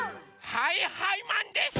はいはいマンです！